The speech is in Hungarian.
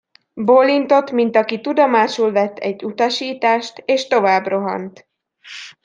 Bólintott, mint aki tudomásul vett egy utasítást, és tovább rohant.